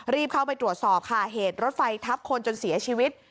รีบเข้าไปตรวจสอบค่ะเหตุรถไฟทับคนจนเสียชีวิต